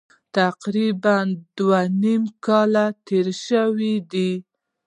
تقریبا دوه نیم کاله تېر شوي دي.